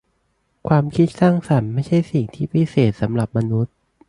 ความคิดสร้างสรรค์ไม่ใช่สิ่งที่พิเศษสำหรับมนุษย์